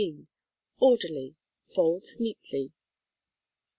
Orderly. Folds neatly.